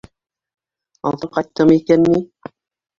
Алдан ҡайттымы икән ни?